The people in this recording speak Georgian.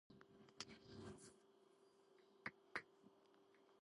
კოლონიურ პერიოდში მან კვლავ შეინარჩუნა ზანზიბარის მთავარი ქალაქის სტატუსი.